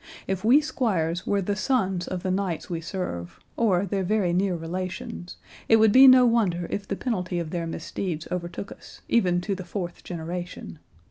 If we squires were the sons of the knights we serve, or their very near relations, it would be no wonder if the penalty of their misdeeds overtook us, even to the fourth generation.